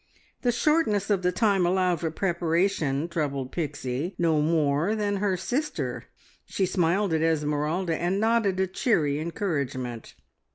The shortness of the time allowed for preparation troubled Pixie no more than her sister. She smiled at Esmeralda and nodded a cheery encouragement.